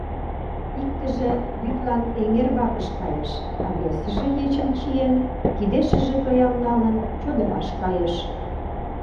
Иктыже вӱдлан эҥер вакыш кайыш, а весыже, ечым чиен, кидешыже тоям налын, чодыраш кайыш.